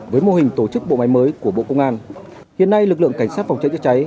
với mô hình tổ chức bộ máy mới của bộ công an hiện nay lực lượng cảnh sát phòng cháy chữa cháy